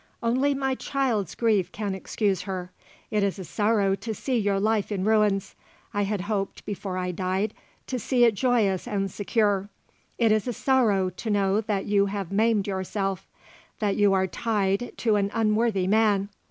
Only my child's grief can excuse her. It is a sorrow to see your life in ruins; I had hoped before I died to see it joyous and secure. It is a sorrow to know that you have maimed yourself; that you are tied to an unworthy man.